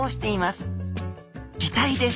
擬態です。